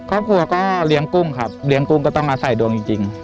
ครอบครัวก็เลี้ยงกุ้งครับเลี้ยงกุ้งก็ต้องมาใส่ดวงจริง